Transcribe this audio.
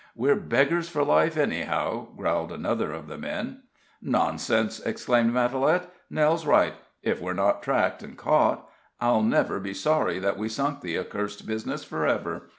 "We're beggars for life, anyhow," growled another of the men. "Nonsense!" exclaimed Matalette. "Nell's right if we're not tracked and caught, I'll never be sorry that we sunk the accursed business for ever.